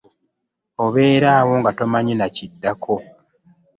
Obeera awo nga tomanyi na kiddako.